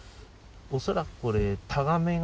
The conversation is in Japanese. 恐らくこれ。